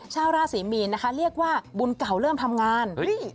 ชาวราศรีมีนนะคะเรียกว่าบุญเก่าเริ่มทำงาน